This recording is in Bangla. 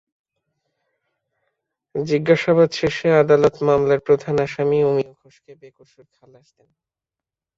জিজ্ঞাসাবাদ শেষে আদালত মামলার প্রধান আসামি অমিয় ঘোষকে বেকসুর খালাস দেন।